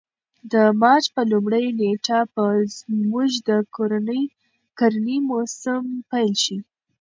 د مارچ په لومړۍ نېټه به زموږ د کرنې موسم پیل شي.